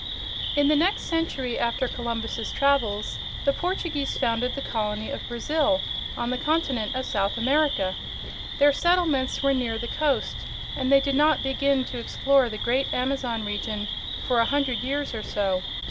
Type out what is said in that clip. In the next century after Columbus's travels the Portuguese founded the colony of Brazil on the continent of South America. Their settlements were near the coast and they did not begin to explore the great Amazon region for a hundred years or so.